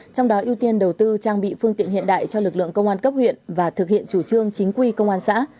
trong đó ưu tiên đầu tư trang bị phương tiện hiện đại cho lực lượng công an cấp huyện và thực hiện chủ trương chính quy công an xã